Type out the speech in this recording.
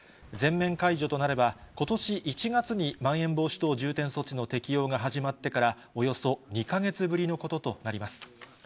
全面解除となればことし１月に、まん延防止等重点措置の適用が始まってからおよそ２か月ぶりのこととなります。